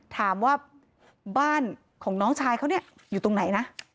ถามว่าบ้านของน้องชายเขาเนี่ยอยู่ตรงไหนนะ